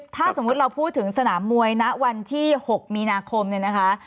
ถ้าสมมุติเราพูดถึงสนามมวยณวันที่๖มีนาคมเนี่ยนะคะ